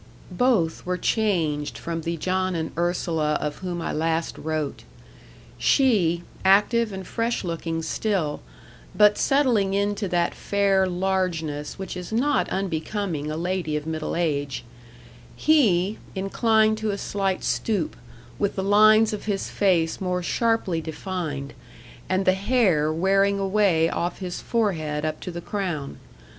Both were changed from the John and Ursula of whom I last wrote. She, active and fresh looking still, but settling into that fair largeness which is not unbecoming a lady of middle age, he, inclined to a slight stoop, with the lines of his face more sharply defined, and the hair wearing away off his forehead up to the crown.